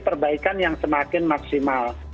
perbaikan yang semakin maksimal